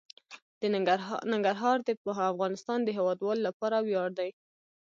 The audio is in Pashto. ننګرهار د افغانستان د هیوادوالو لپاره ویاړ دی.